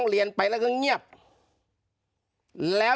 เจ้าหน้าที่แรงงานของไต้หวันบอก